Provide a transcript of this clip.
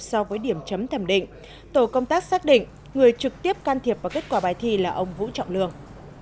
so với điểm chấm thẩm định tổ công tác xác định người trực tiếp can thiệp vào kết quả bài thi là ông vũ trọng lương